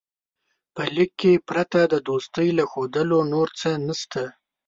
په لیک کې پرته د دوستۍ له ښودلو نور څه نسته.